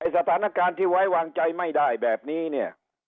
สถานการณ์ที่ไว้วางใจไม่ได้แบบนี้เนี่ย